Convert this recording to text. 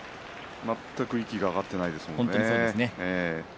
全く息が上がっていないですものね。